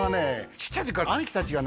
ちっちゃい時から兄貴達がね